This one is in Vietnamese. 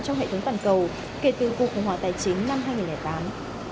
trong hệ thống toàn cầu kể từ cuộc khủng hoảng tài chính năm hai nghìn tám